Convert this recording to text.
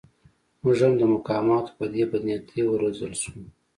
موږ هم د مقاماتو په دې بدنیتۍ و روزل شوو.